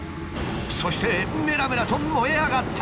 そしてメラメラと燃え上がった！